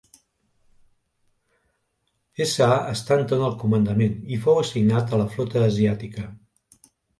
S. A. Stanton al comandament, i fou assignat a la flota asiàtica.